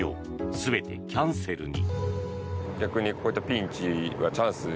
全てキャンセルに。